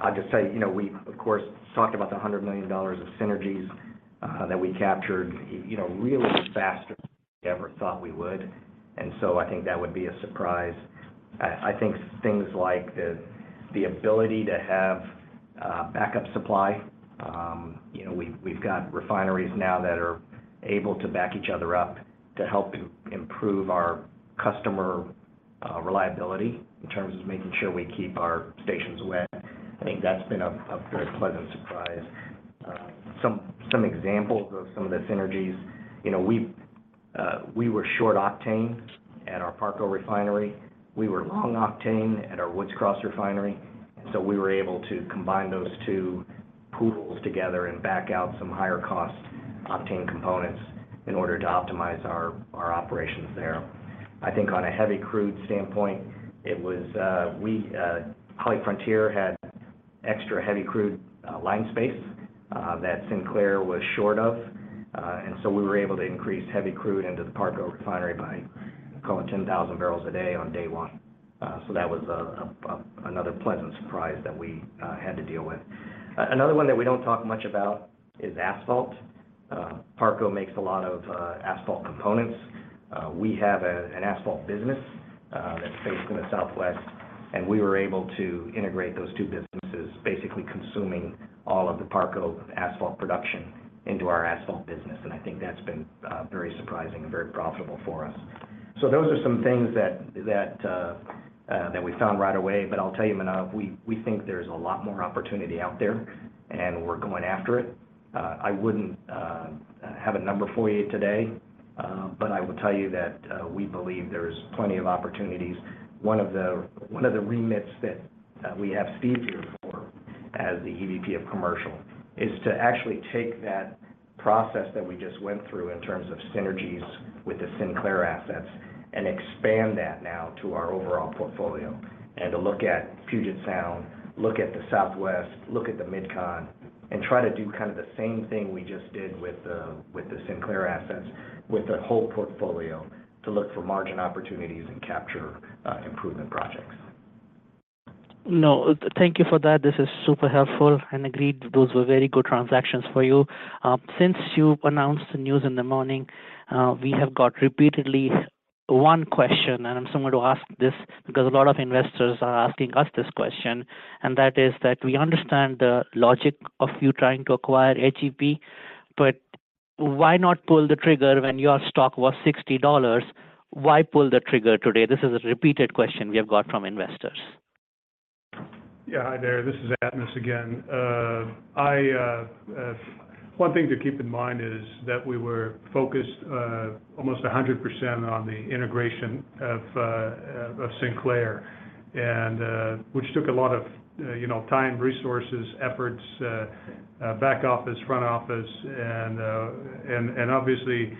I'll just tell you know, we of course talked about the $100 million of synergies that we captured, you know, really faster than we ever thought we would. I think that would be a surprise. I think things like the ability to have backup supply. You know, we've got refineries now that are able to back each other up to help improve our customer reliability in terms of making sure we keep our stations wet. I think that's been a very pleasant surprise. Some examples of some of the synergies, you know, we were short octane at our Parco refinery. We were long octane at our Woods Cross refinery. We were able to combine those two pools together and back out some higher cost octane components in order to optimize our operations there. I think on a heavy crude standpoint, it was, we HollyFrontier had extra heavy crude line space that Sinclair was short of. We were able to increase heavy crude into the Parco refinery by call it 10,000 barrels a day on day one. That was another pleasant surprise that we had to deal with. Another one that we don't talk much about is asphalt. Parco makes a lot of asphalt components. We have a, an asphalt business, that's based in the Southwest, and we were able to integrate those two businesses, basically consuming all of the Parco asphalt production into our asphalt business. I think that's been very surprising and very profitable for us. Those are some things that we found right away. I'll tell you, Manav, we think there's a lot more opportunity out there, and we're going after it. I wouldn't have a number for you today, but I will tell you that we believe there's plenty of opportunities. One of the remits that we have Steve here for as the EVP of Commercial, is to actually take that process that we just went through in terms of synergies with the Sinclair assets and expand that now to our overall portfolio. To look at Puget Sound, look at the Southwest, look at the MidCon, and try to do kind of the same thing we just did with the Sinclair assets, with the whole portfolio to look for margin opportunities and capture improvement projects. No, thank you for that. This is super helpful. Agreed, those were very good transactions for you. Since you announced the news in the morning, we have got repeatedly one question, and I'm somewhere to ask this because a lot of investors are asking us this question, and that is that we understand the logic of you trying to acquire HEP, but why not pull the trigger when your stock was $60? Why pull the trigger today? This is a repeated question we have got from investors. Yeah, hi, there. This is Atanas, again. One thing to keep in mind is that we were focused almost 100% on the integration of Sinclair, which took a lot of, you know, time, resources, efforts, back office, front office. And obviously,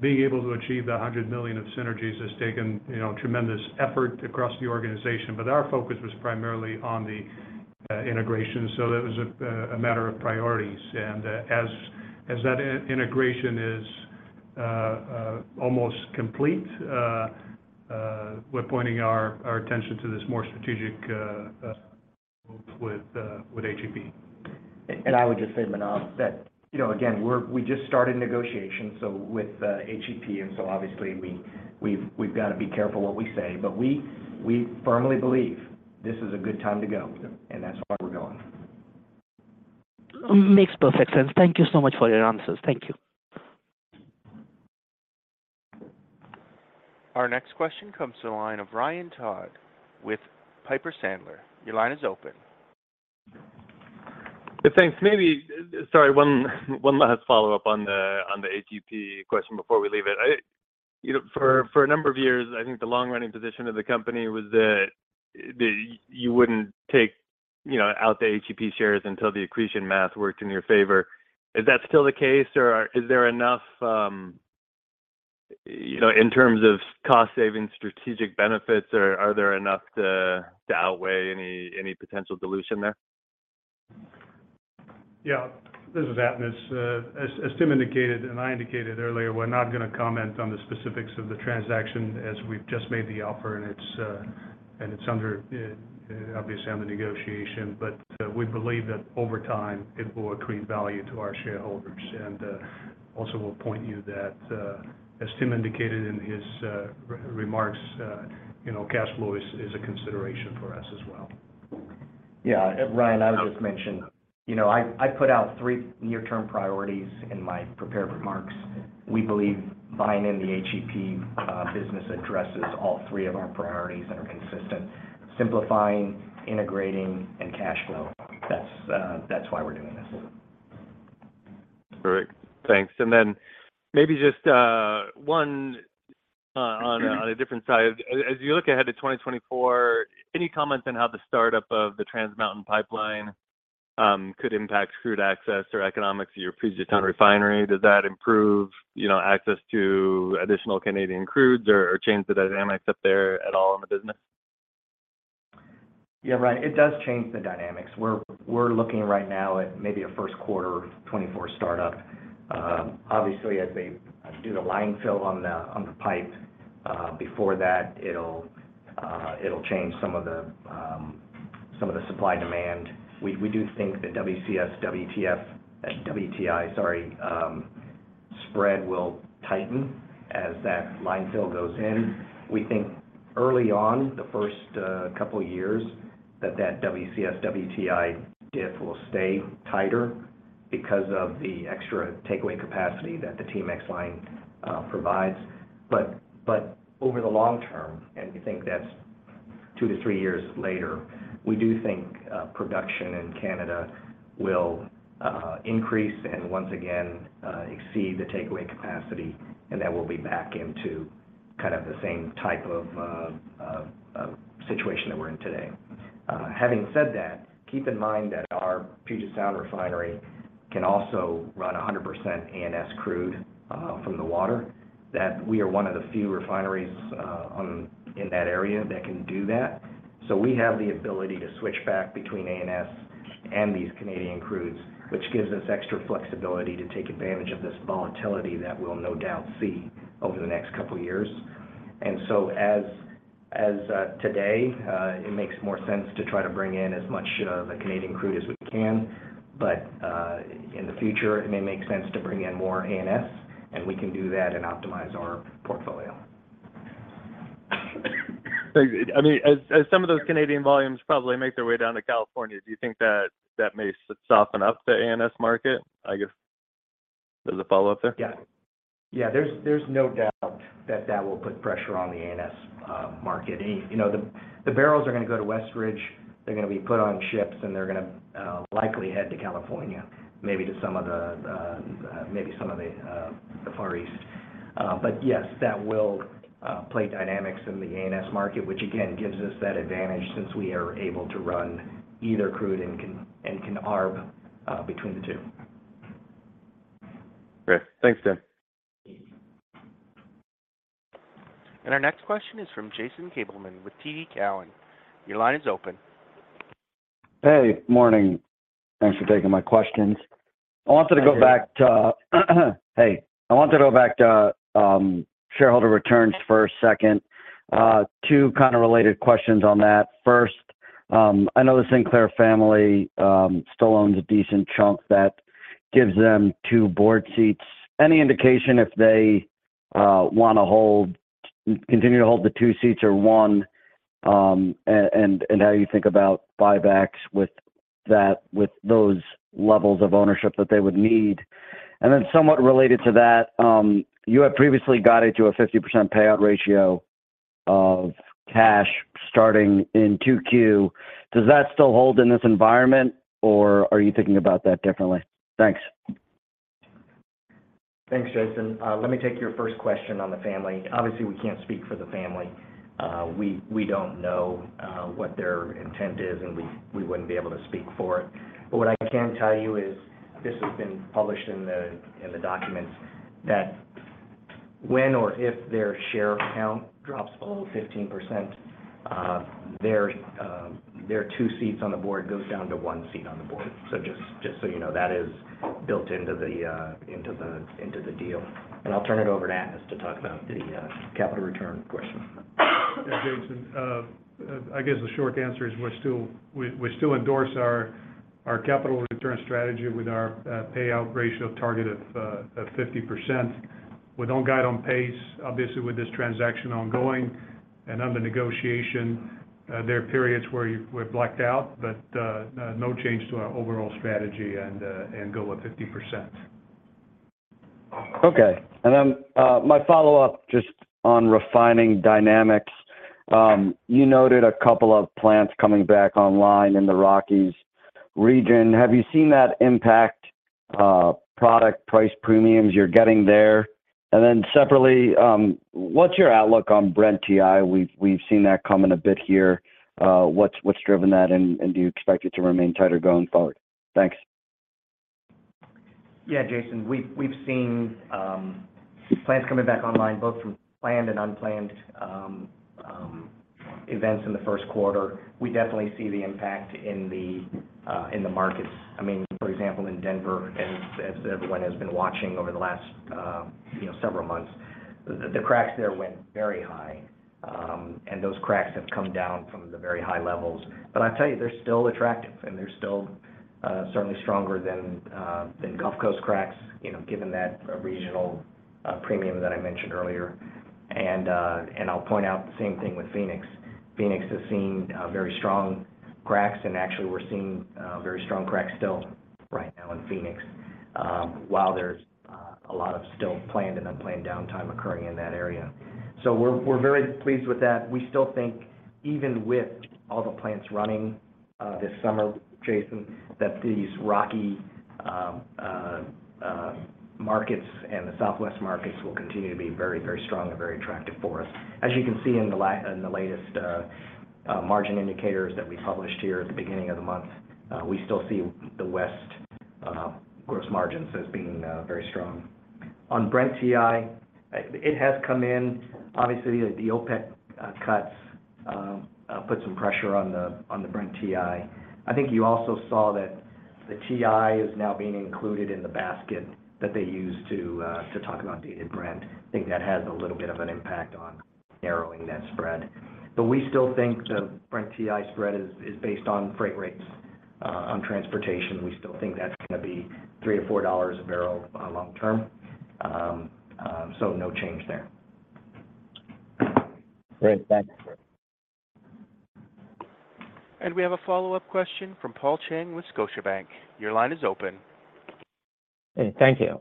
being able to achieve the $100 million of synergies has taken, you know, tremendous effort across the organization. But our focus was primarily on the integration. So it was a matter of priorities. And as that integration is almost complete, we're pointing our attention to this more strategic with HEP I would just say, Manav, that, you know, again, we just started negotiations, so with HEP. Obviously we've got to be careful what we say, but we firmly believe this is a good time to go. Yeah. That's why we're going. Makes perfect sense. Thank you so much for your answers. Thank you. Our next question comes to the line of Ryan Todd with Piper Sandler. Your line is open. Thanks. Sorry, one last follow-up on the HEP question before we leave it. I, you know, for a number of years, I think the long-running position of the company was that you wouldn't take, you know, out the HEP shares until the accretion math worked in your favor. Is that still the case, or is there enough, you know, in terms of cost saving, strategic benefits, are there enough to outweigh any potential dilution there? Yeah. This is Atanas. As Tim indicated and I indicated earlier, we're not gonna comment on the specifics of the transaction as we've just made the offer and it's under obviously under negotiation. We believe that over time it will accrete value to our shareholders. Also we'll point you that, as Tim indicated in his remarks, you know, cash flow is a consideration for us as well. Yeah. Ryan, I would just mention, you know, I put out three near-term priorities in my prepared remarks. We believe buying in the HEP business addresses all three of our priorities that are consistent: simplifying, integrating, and cash flow. That's why we're doing this. Great. Thanks. Maybe just one on a different side. As you look ahead to 2024, any comments on how the startup of the Trans Mountain pipeline could impact crude access or economics to your Puget Sound refinery? Does that improve, you know, access to additional Canadian crudes or change the dynamics up there at all in the business? Yeah, Ryan, it does change the dynamics. We're looking right now at maybe a first quarter 2024 startup. Obviously, as they do the line fill on the pipe, before that, it'll change some of the supply-demand. We do think the WCS-WTI spread will tighten as that line fill goes in. We think early on, the first couple years, that WCS-WTI diff will stay tighter because of the extra takeaway capacity that the TMX line provides. Over the long term, and we think that's 2-3 years later, we do think production in Canada will increase and once again exceed the takeaway capacity, and then we'll be back into kind of the same type of situation that we're in today. Having said that, keep in mind that our Puget Sound refinery can also run 100% ANS crude from the water, that we are one of the few refineries in that area that can do that. We have the ability to switch back between ANS and these Canadian crudes, which gives us extra flexibility to take advantage of this volatility that we'll no doubt see over the next couple years. As, as, today, it makes more sense to try to bring in as much the Canadian crude as we can. In the future, it may make sense to bring in more ANS, and we can do that and optimize our portfolio. I mean, as some of those Canadian volumes probably make their way down to California, do you think that that may soften up the ANS market, I guess, as a follow-up there? Yeah. Yeah, there's no doubt that that will put pressure on the ANS market. You know, the barrels are gonna go to Westridge. They're gonna be put on ships, and they're gonna likely head to California, maybe to some of the, maybe some of the Far East. Yes, that will play dynamics in the ANS market, which again, gives us that advantage since we are able to run either crude and can arb between the two. Great. Thanks, Tim. Our next question is from Jason Gabelman with TD Cowen. Your line is open. Hey. Morning. Thanks for taking my questions. Hi, Jason. Hey. I wanted to go back to shareholder returns for a second. Two kind of related questions on that. First, I know the Sinclair family still owns a decent chunk that gives them two board seats. Any indication if they wanna continue to hold the two seats or one, and how you think about buybacks with those levels of ownership that they would need? Somewhat related to that, you have previously guided to a 50% payout ratio of cash starting in 2Q. Does that still hold in this environment, or are you thinking about that differently? Thanks. Thanks, Jason. Let me take your first question on the family. Obviously, we can't speak for the family. We don't know what their intent is, and we wouldn't be able to speak for it. What I can tell you is, this has been published in the documents, that when or if their share count drops below 15%, their two seats on the board goes down to one seat on the board. Just so you know, that is built into the deal. I'll turn it over to Atanas to talk about the capital return question. Yeah, Jason. I guess the short answer is we still endorse our capital return strategy with our payout ratio target of 50%. We don't guide on pace, obviously, with this transaction ongoing and under negotiation. There are periods where we're blacked out, but no change to our overall strategy and goal of 50%. Okay. My follow-up just on refining dynamics. You noted a couple of plants coming back online in the Rockies region. Have you seen that impact product price premiums you're getting there? Separately, what's your outlook on Brent/WTI? We've seen that come in a bit here. What's driven that, and do you expect it to remain tighter going forward? Thanks. Yeah, Jason. We've seen plants coming back online, both from planned and unplanned events in the first quarter. We definitely see the impact in the markets. I mean, for example, in Denver, and as everyone has been watching over the last, you know, several months, the cracks there went very high. Those cracks have come down from the very high levels. I tell you, they're still attractive, and they're still certainly stronger than Gulf Coast cracks, you know, given that regional premium that I mentioned earlier. I'll point out the same thing with Phoenix. Phoenix has seen very strong cracks, and actually we're seeing very strong cracks still right now in Phoenix. While a lot of still planned and unplanned downtime occurring in that area. We're very pleased with that. We still think even with all the plants running this summer, Jason, that these Rocky markets and the Southwest markets will continue to be very, very strong and very attractive for us. As you can see in the latest margin indicators that we published here at the beginning of the month, we still see the West gross margins as being very strong. On Brent-WTI, it has come in. Obviously, the OPEC cuts put some pressure on the Brent-WTI. I think you also saw that the WTI is now being included in the basket that they use to talk about Dated Brent. I think that has a little bit of an impact on narrowing that spread. We still think the Brent/WTI spread is based on freight rates, on transportation. We still think that's gonna be $3-$4 a barrel long term. No change there. Great. Thanks. We have a follow-up question from Paul Cheng with Scotiabank. Your line is open. Hey, thank you.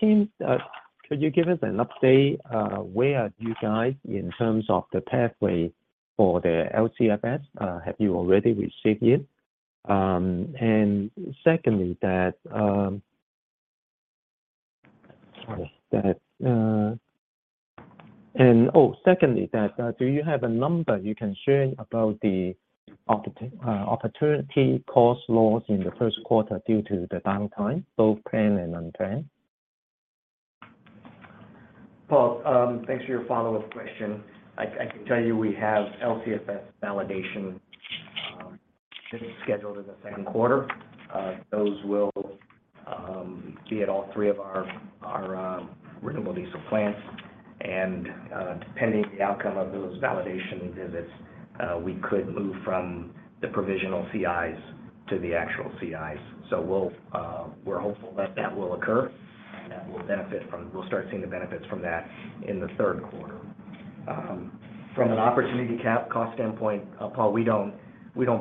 Tim, could you give us an update, where are you guys in terms of the pathway for the LCFS? Have you already received it? Secondly, do you have a number you can share about the opportunity cost loss in the first quarter due to the downtime, both planned and unplanned? Paul, thanks for your follow-up question. I can tell you we have LCFS validation scheduled in the second quarter. Those will be at all three of our renewable diesel plants. Depending on the outcome of those validation visits, we could move from the provisional CIs to the actual CIs. We're hopeful that that will occur, and we'll start seeing the benefits from that in the third quarter. From an opportunity cost standpoint, Paul, we don't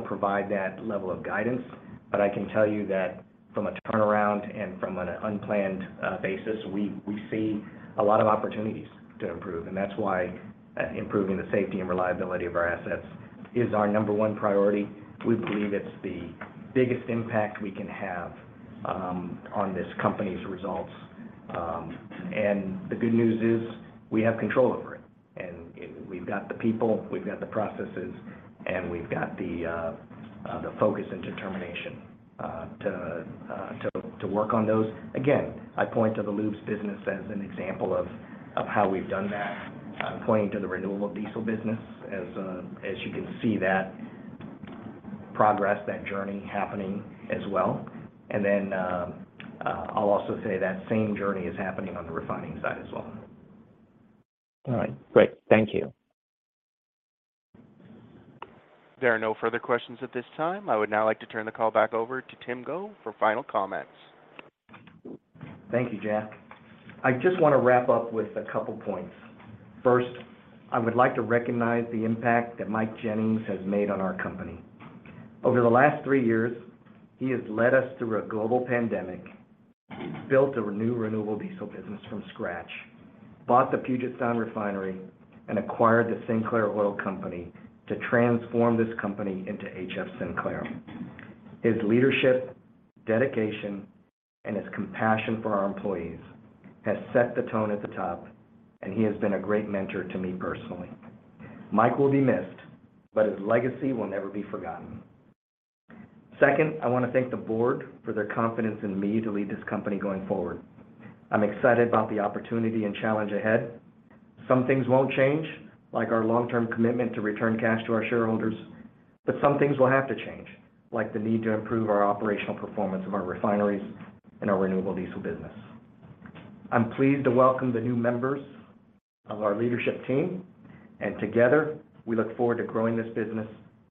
provide that level of guidance, but I can tell you that from a turnaround and from an unplanned basis, we see a lot of opportunities to improve. That's why improving the safety and reliability of our assets is our number one priority. We believe it's the biggest impact we can have on this company's results. The good news is we have control over it, and we've got the people, we've got the processes, and we've got the focus and determination to work on those. Again, I point to the lubes business as an example of how we've done that. I'm pointing to the renewable diesel business as you can see that progress, that journey happening as well. I'll also say that same journey is happening on the refining side as well. All right. Great. Thank you. There are no further questions at this time. I would now like to turn the call back over to Tim Go for final comments. Thank you, Jack. I just wanna wrap up with a couple of points. First, I would like to recognize the impact that Michael Jennings has made on our company. Over the last three years, he has led us through a global pandemic, built a new renewable diesel business from scratch, bought the Puget Sound Refinery, and acquired the Sinclair Oil Corporation to transform this company into HF Sinclair. His leadership, dedication, and his compassion for our employees has set the tone at the top, and he has been a great mentor to me personally. Mike will be missed, but his legacy will never be forgotten. Second, I wanna thank the board for their confidence in me to lead this company going forward. I'm excited about the opportunity and challenge ahead. Some things won't change, like our long-term commitment to return cash to our shareholders, but some things will have to change, like the need to improve our operational performance of our refineries and our renewable diesel business. I'm pleased to welcome the new members of our leadership team, and together, we look forward to growing this business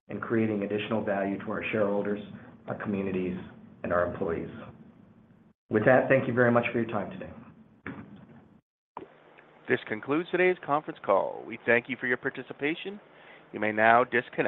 and creating additional value to our shareholders, our communities, and our employees. With that, thank you very much for your time today. This concludes today's conference call. We thank you for your participation. You may now disconnect.